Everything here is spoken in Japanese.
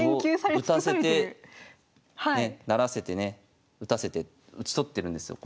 歩を打たせて成らせてね打たせて打ち取ってるんですよ。